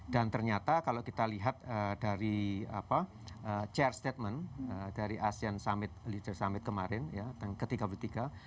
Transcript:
dan ternyata kalau kita lihat dari apa chair statement dari asean summit leader summit kemarin ya ketiga tiga